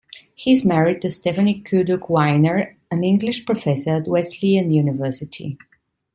He is married to Stephanie Kuduk Weiner, an English professor at Wesleyan University.